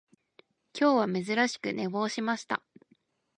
今日は珍しく寝坊しました